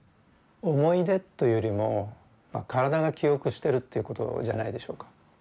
思い出というよりも体が記憶してるということじゃないでしょうか。